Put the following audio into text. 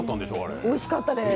おいしかったです。